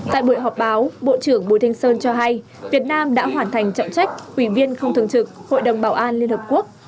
tại buổi họp báo bộ trưởng bùi thanh sơn cho hay việt nam đã hoàn thành trọng trách ủy viên không thường trực hội đồng bảo an liên hợp quốc